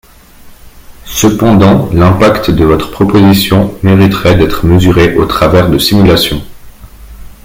Cependant l’impact de votre proposition mériterait d’être mesuré au travers de simulations.